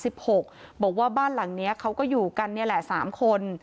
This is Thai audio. บอกว่าบ้านหลังนี้เขาก็อยู่กันนี่แหละ๓คน